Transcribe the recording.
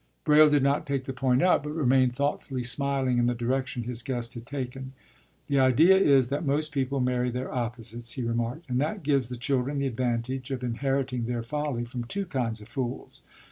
” Braile did not take the point up, but remained thoughtfully smiling in the direction his guest had taken. “The idea is that most people marry their opposites,” he remarked, “and that gives the children the advantage of inheriting their folly from two kinds of fools.